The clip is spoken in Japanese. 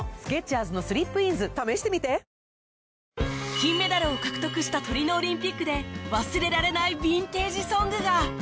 金メダルを獲得したトリノオリンピックで忘れられないヴィンテージ・ソングが